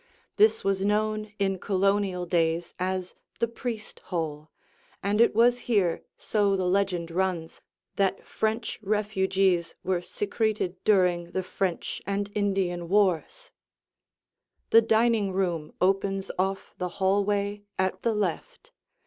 This was known in Colonial days as the "priest hole," and it was here, so the legend runs, that French refugees were secreted during the French and Indian wars. [Illustration: The Dining Room] The dining room opens off the hallway at the left.